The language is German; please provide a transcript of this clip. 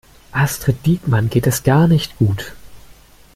Astrid Diekmann geht es gar nicht gut.